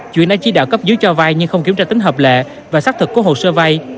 chuyện đã chỉ đạo cấp dưới cho vai nhưng không kiểm tra tính hợp lệ và xác thực của hồ sơ vay